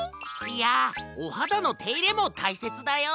いやおはだのていれもたいせつだよ！